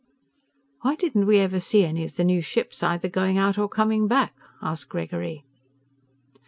"Why didn't we ever see any of the new ships either going out or coming back?" asked Gregory.